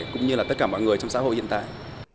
cũng như là tất cả mọi người trong xã hội hiện tại